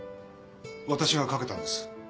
私がかけたんです。